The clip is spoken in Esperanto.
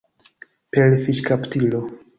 Per fiŝkaptilo.